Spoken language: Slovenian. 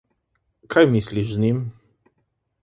Kaj misliš z njim?